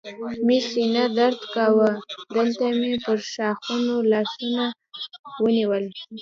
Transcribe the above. مې سینه درد کاوه، دلته مې پر ښاخونو لاسونه ونیول.